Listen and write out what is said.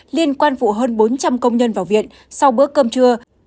liên quan vụ hơn bốn trăm linh công nhân vào viện sau bữa cơm trưa